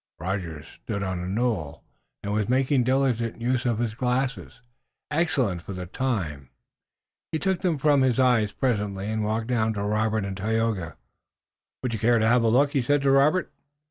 Rogers stood on a knoll, and he was making diligent use of his glasses, excellent for the time. He took them from his eyes presently, and walked down to Robert and Tayoga. "Would you care to have a look?" he said to Robert.